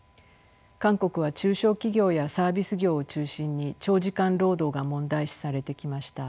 韓国は中小企業やサービス業を中心に長時間労働が問題視されてきました。